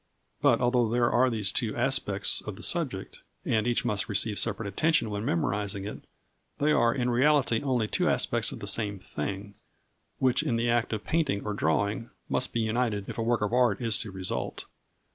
But although there are these two aspects of the subject, and each must receive separate attention when memorising it, they are in reality only two aspects of the same thing, which in the act of painting or drawing must be united if a work of art is to result.